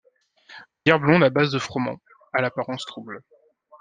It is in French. Bière blonde à base de froment, à l'apparence trouble.